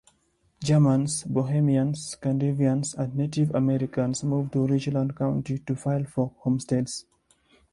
Germans, Bohemians, Scandinavians, and Native Americans moved to Richland County to file for homesteads.